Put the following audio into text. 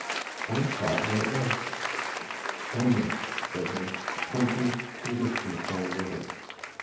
I inquired where it was. "Yonder," said he, pointing to some distance down the river.